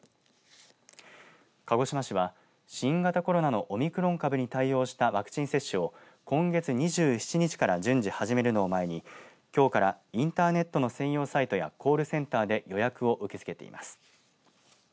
鹿児島市は、新型コロナのオミクロン株に対応したワクチン接種を今月２７日から順次始めるのを前にきょうからインターネットの専用サイトやコールセンターで予約を受け付けています。